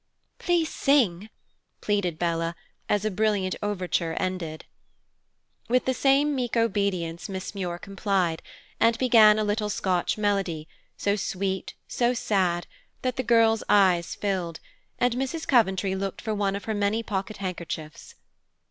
"Please sing," pleaded Bella, as a brilliant overture ended. With the same meek obedience Miss Muir complied, and began a little Scotch melody, so sweet, so sad, that the girl's eyes filled, and Mrs. Coventry looked for one of her many pocket handkerchiefs.